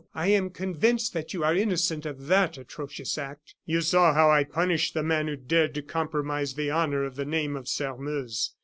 I am convinced that you are innocent of that atrocious act." "You saw how I punished the man who dared to compromise the honor of the name of Sairmeuse.